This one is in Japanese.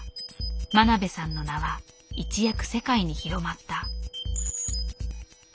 真鍋さんの名は一躍世界に広まった。